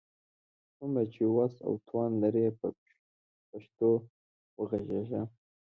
څومره چي وس او توان لرئ، په پښتو وږغېږئ!